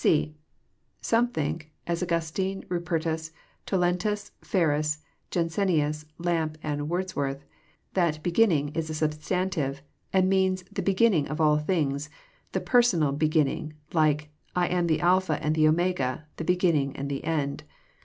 (c) Some think, as Augustine, Rupertns, Toletus, Ferns, Jansenius, Lampe, and Wordsworth, that '* beginning '* Is a sub stantive, and means the Beginning of all things, the personal Beginning, like *' I am the Alpha and the Omega, the Beginning and the End."